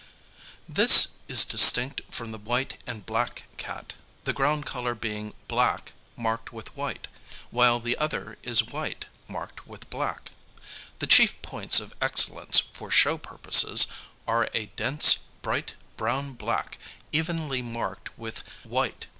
This is distinct from the white and black cat, the ground colour being black, marked with white; while the other is white, marked with black. The chief points of excellence for show purposes are a dense bright brown black, evenly marked with white.